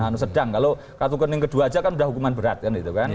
nah sedang kalau kartu kuning kedua aja kan sudah hukuman berat kan itu kan